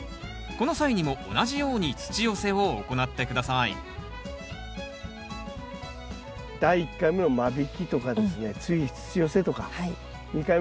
この際にも同じように土寄せを行って下さい第１回目の間引きとかですね